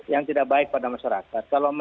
yang tidak baik pada masyarakat